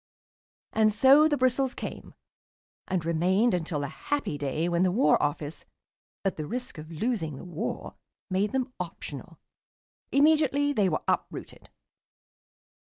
And so the bristles came, and remained until the happy day when the War Office, at the risk of losing the war, made them optional. Immediately they were uprooted.